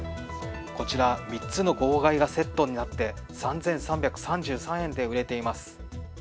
こちら３つの号外がセットになって３３３３円で売れています。